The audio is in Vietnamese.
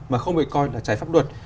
mà không bị coi là trái pháp luật